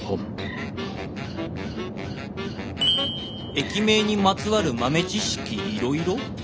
「駅名にまつわる豆知識いろいろ」？